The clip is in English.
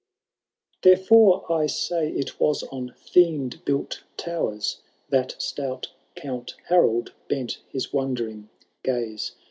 Therefore, I say, it was on fiend built toweiB That stout Count Harold bent his wondering gaze.